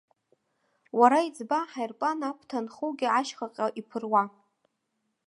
Уара иӡба аҳаирплан аԥҭа анхугьы ашьхаҟа иԥыруа.